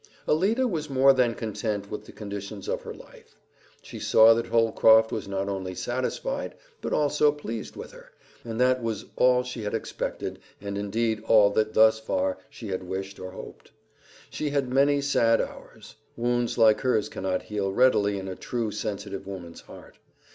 Alida was more than content with the conditions of her life. She saw that Holcroft was not only satisfied, but also pleased with her, and that was all she had expected and indeed all that thus far she had wished or hoped. She had many sad hours; wounds like hers cannot heal readily in a true, sensitive woman's heart.